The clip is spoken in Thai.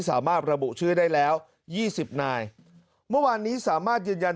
สามารถระบุชื่อได้แล้วยี่สิบนายเมื่อวานนี้สามารถยืนยัน